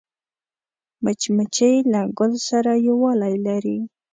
مچمچۍ له ګل سره یووالی لري